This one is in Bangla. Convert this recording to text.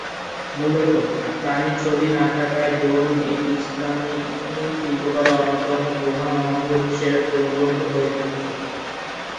মূলত, প্রাণীর ছবি না থাকার দরুন এটি ইসলামি শিল্পকলার অন্যতম প্রধান অঙ্গ হিসেবে পরিগণিত হয়ে থাকে।